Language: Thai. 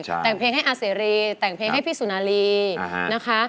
แต่งเพลงให้อาเสรีแต่งเพลงให้พี่สุนารีนะคะ